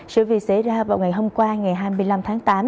sự việc xảy ra vào ngày hôm qua ngày hai mươi năm tháng tám